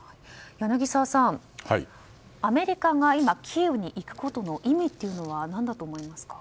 柳澤さん、アメリカが今キーウに行くことの意味っていうのは何だと思いますか。